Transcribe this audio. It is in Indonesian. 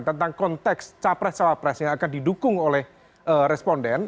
tentang konteks capres cawapres yang akan didukung oleh responden